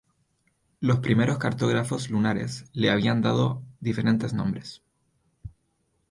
Los primeros cartógrafos lunares le habían dado diferentes nombres.